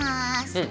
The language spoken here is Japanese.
うん。